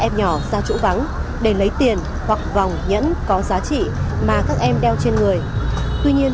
em nhỏ ra chỗ vắng để lấy tiền hoặc vòng nhẫn có giá trị mà các em đeo trên người tuy nhiên